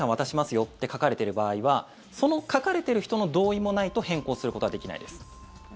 よって書かれてる場合はその書かれている人の同意もないと変更することはできないです。